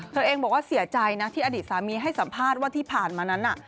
เธอเองบอกว่าเสียใจนะที่อดีตสามีให้สัมภาษณ์ว่าที่ผ่านมานั้นน่ะ